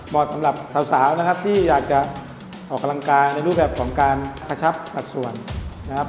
สำหรับสาวนะครับที่อยากจะออกกำลังกายในรูปแบบของการกระชับสัดส่วนนะครับ